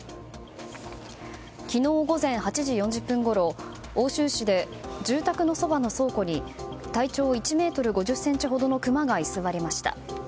昨日午前８時４０分ごろ奥州市で、住宅のそばの倉庫に体長１ｍ５０ｃｍほどのクマが居座りました。